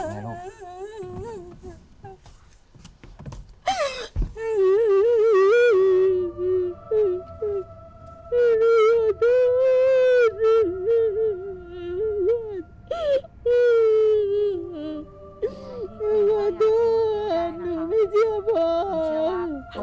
ขอโทษนะครับหนูไม่เชื่อพ่อ